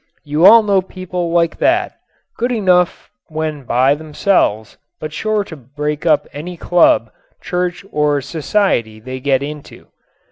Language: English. You all know people like that, good enough when by themselves but sure to break up any club, church or society they get into.